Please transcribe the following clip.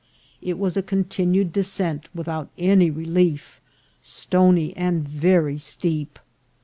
It was a continued descent, without any relief, stony, and very steep.